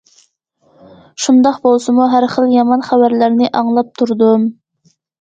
شۇنداق بولسىمۇ ھەر خىل يامان خەۋەرلەرنى ئاڭلاپ تۇردۇم.